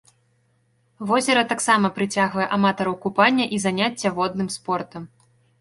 Возера таксама прыцягвае аматараў купання і заняцця водным спортам.